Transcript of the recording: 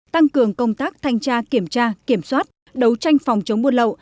tăng cường công tác thanh tra kiểm tra kiểm soát đấu tranh phòng chống buôn lậu